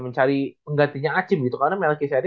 menggantinya acim gitu karena mel kcad